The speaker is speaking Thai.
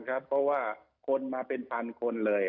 เพราะว่าคนมาเป็นพันคนเลย